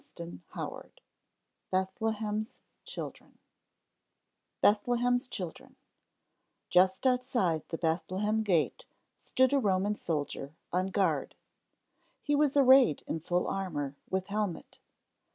[Illustration: Bethlehem's Children] BETHLEHEM'S CHILDREN Just outside the Bethlehem gate stood a Roman soldier, on guard. He was arrayed in full armor, with helmet.